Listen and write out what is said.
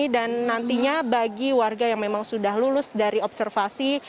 dan nantinya bagi warga yang memang sudah lulus dari observasi